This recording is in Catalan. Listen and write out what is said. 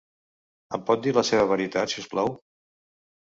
Em pot dir la seva veritat, si us plau?